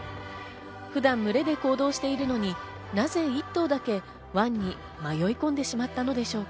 普段群れで行動しているのに、なぜ一頭だけ湾に迷い込んでしまったのでしょうか？